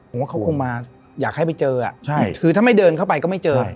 ผมว่าเขาคงมาอยากให้ไปเจอคือถ้าไม่เดินเข้าไปก็ไม่เจอ